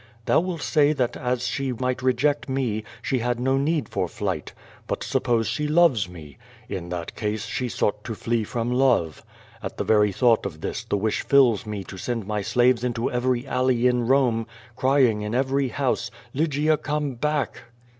Thou wilt say that as she might reject me, she had no need for flight. ]>ut suppose she loves me? In that case she sought to flee from love. At the very thought of this, the wish fills me to send my slaves into every alley in Kome, crying in every house, "Lygia, come back!''